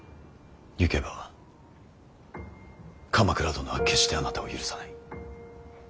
行けば鎌倉殿は決してあなたを許さない。